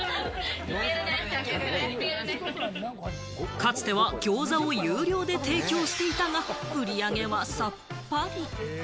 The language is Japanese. かつては餃子を有料で提供していたが、売り上げはさっぱり。